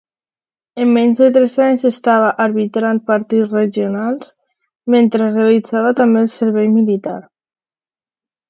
En menys de tres anys estava arbitrant partits regionals, mentre realitzava també el servei militar.